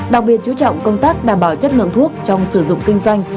đặc biệt chú trọng công tác đảm bảo chất lượng thuốc trong sử dụng kinh doanh